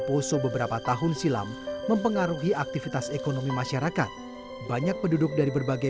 poso beberapa tahun silam mempengaruhi aktivitas ekonomi masyarakat banyak penduduk dari berbagai